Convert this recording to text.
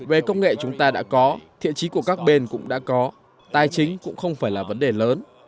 về công nghệ chúng ta đã có thiện trí của các bên cũng đã có tài chính cũng không phải là vấn đề lớn